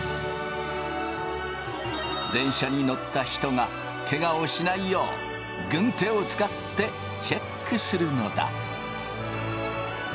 電車に乗った人がケガをしないよう軍手を使ってチェックするのだ。